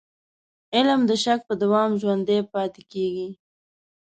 علم د شک په دوام ژوندی پاتې کېږي.